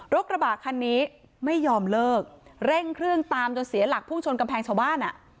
รถกระบะคันนี้ไม่ยอมเลิกเสียจนลักษณ์ผู้ชนแคมป์แผงชาวบ้าน